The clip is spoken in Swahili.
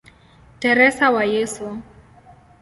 Teresa wa Yesu".